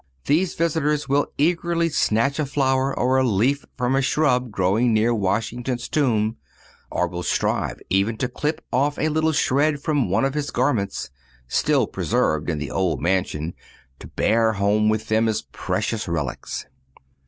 These visitors will eagerly snatch a flower or a leaf from a shrub growing near Washington's tomb, or will strive even to clip off a little shred from one of his garments, still preserved in the old mansion, to bear home with them as precious relics.